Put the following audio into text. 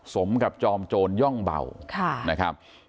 สมกับจอมโจรย่องเบานะครับ